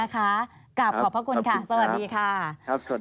กราบขอบพระคุณนะคะสวัสดีค่ะครับ